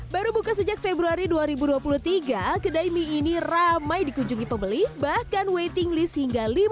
baru buka sejak februari dua ribu dua puluh tiga kedai mie ini ramai dikunjungi pembeli bahkan waiting list hingga